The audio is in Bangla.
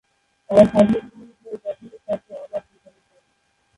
তারা সাধু-পুরোহিত হয়ে ক্যাথলিক চার্চে অবাধ বিচরণ করেন।